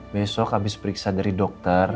besok habis periksa dari dokter